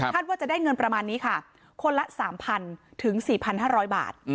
ว่าจะได้เงินประมาณนี้ค่ะคนละ๓๐๐ถึง๔๕๐๐บาท